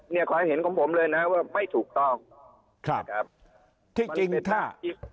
เนี่ยความเห็นของผมเลยนะว่าไม่ถูกต้องครับที่จริงถ้า